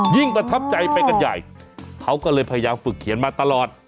ประทับใจไปกันใหญ่เขาก็เลยพยายามฝึกเขียนมาตลอด